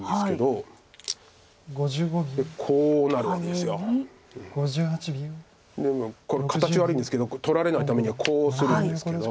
で今これ形悪いんですけど取られないためにはこうするんですけど。